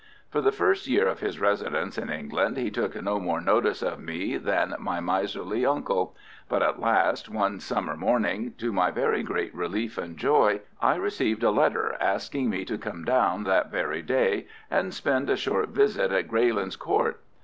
For the first year of his residence in England he took no more notice of me than my miserly uncle; but at last one summer morning, to my very great relief and joy, I received a letter asking me to come down that very day and spend a short visit at Greylands Court.